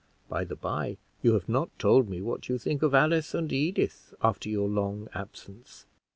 By the by, you have not told me what you think of Alice and Edith after your long absence."